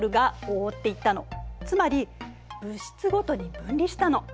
つまり物質ごとに分離したの。